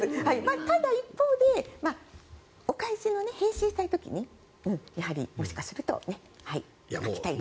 ただ、一方でお返しの、返信したい時にやはりもしかすると書きたい方も。